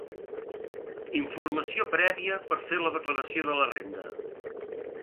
Informació prèvia per fer la declaració de la renda.